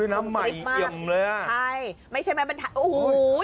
ทำใหม่เยี่ยมเลยอ่ะใช่ไม่ใช่แม่บันทัศน์โอ้โห